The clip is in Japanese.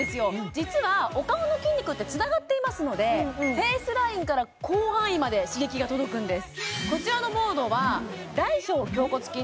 実はお顔の筋肉ってつながっていますのでフェイスラインから広範囲まで刺激が届くんです